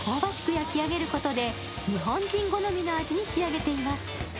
焼き上げることで日本人好みの味に仕上げています。